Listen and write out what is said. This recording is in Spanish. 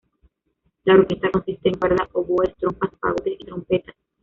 La orquesta consiste en cuerda, oboes, trompas, fagotes y trompetas.